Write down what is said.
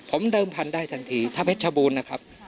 ผมเดิมพันธุ์ได้ทันทีถ้าเพชรชบูรณ์นะครับ